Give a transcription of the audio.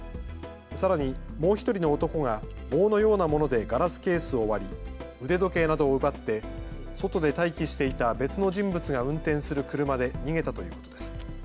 さらにもう１人の男が棒のようなものでガラスケースを割り腕時計などを奪って外で待機していた別の人物が運転する車で逃げたということです。